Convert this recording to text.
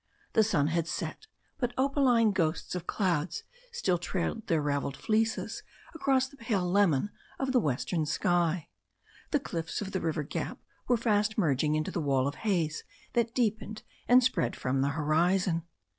The sun had set, but opaline ghosts of clouds still trailed their "ravelled fleeces" across the pale lemon of the western sky. The cliffs of the river gap were fast merging into the wall of haze that deepened and spread from the horizon.